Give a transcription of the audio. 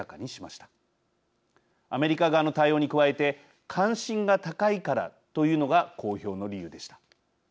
アメリカ側の対応に加えて関心が高いからというのが公表の理由でした。